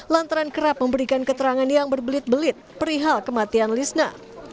lantaran kerap memberikan keterangan yang berbelit belit perihal kematian lisna